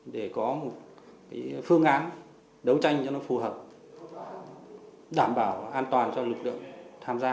để có một phương án đấu tranh cho nó phù hợp đảm bảo an toàn cho lực lượng tham gia